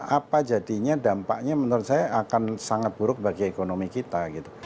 apa jadinya dampaknya menurut saya akan sangat buruk bagi ekonomi kita gitu